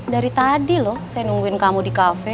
dari tadi loh saya nungguin kamu di kafe